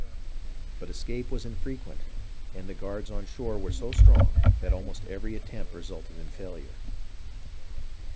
But escape was infrequent, and the guards on shore were so strong that almost every attempt resulted in failure.